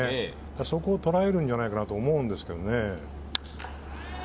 それをとらえるんじゃないかと思いますけどね。